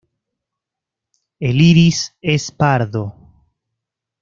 El iris es pardo.